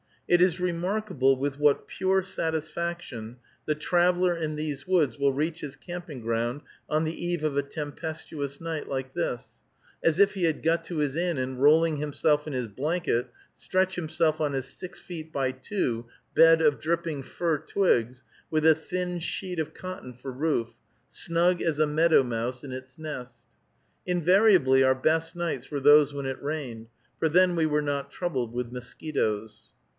It is remarkable with what pure satisfaction the traveler in these woods will reach his camping ground on the eve of a tempestuous night like this, as if he had got to his inn, and, rolling himself in his blanket, stretch himself on his six feet by two bed of dripping fir twigs, with a thin sheet of cotton for roof, snug as a meadow mouse in its nest. Invariably our best nights were those when it rained, for then we were not troubled with mosquitoes.